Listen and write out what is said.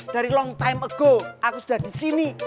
dari long time ago aku sudah di sini